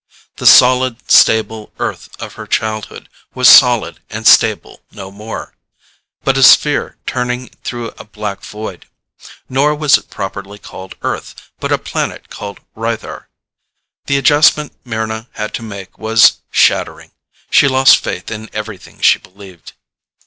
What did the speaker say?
The solid, stable Earth of her childhood was solid and stable no longer, but a sphere turning through a black void. Nor was it properly called Earth, but a planet named Rythar. The adjustment Mryna had to make was shattering; she lost faith in everything she believed.